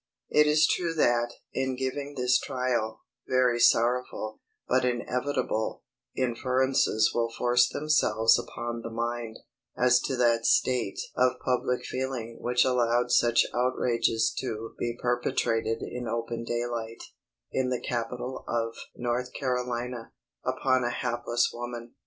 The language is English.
It is true that, in giving this trial, very sorrowful, but inevitable, inferences will force themselves upon the mind, as to that state of public feeling which allowed such outrages to be perpetrated in open daylight, in the capital of North Carolina, upon a hapless woman.